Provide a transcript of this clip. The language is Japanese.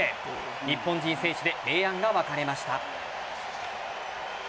日本人選手で明暗が分かれました。